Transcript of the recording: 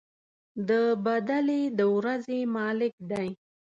د بَدلې د ورځې مالك دی.